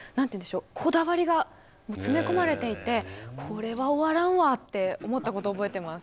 こだわりが詰め込まれていて「これは終わらんわ」って思ったことを覚えてます。